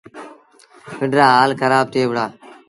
پنڊرآ هآل کرآب ٿئي وُهڙآ۔